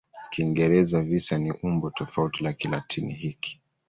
Kiingereza "visa" ni umbo tofauti la Kilatini hiki.